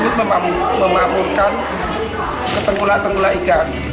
ingin memanfaatkan ketenggulat tenggulat ikan